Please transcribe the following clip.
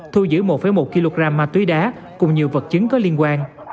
thu giữ một một kg ma túy đá cùng nhiều vật chứng có liên quan